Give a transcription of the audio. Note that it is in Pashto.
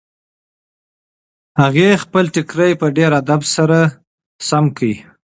هغې خپل ټیکری په ډېر ادب سره سم کړ.